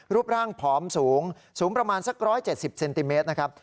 รูปร่างผอมสูงสูงประมาณสัก๑๗๐เซนติเมตรนะครับ